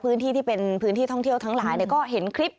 ที่เป็นพื้นที่ท่องเที่ยวทั้งหลายก็เห็นคลิป